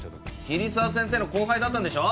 桐沢先生の後輩だったんでしょ？